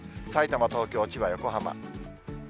さいたま、東京、千葉、横浜。